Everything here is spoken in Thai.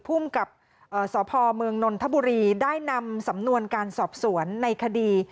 ภูมิกับสพเมืองนนทบุรีได้นำสำนวนการสอบสวนในคดี